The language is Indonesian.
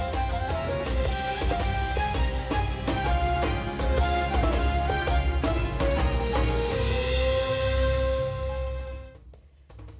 sampai jumpa lagi